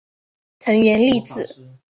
藤原丽子